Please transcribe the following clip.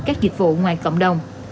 các dịch vụ ngoài cộng đồng